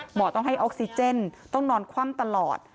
หมอต้องให้ออกซิเจนต้องนอนคว่ำตลอด